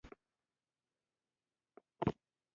اکبر زمینداوری د مغلو د دوې په اوایلو کښي ژوندی وو.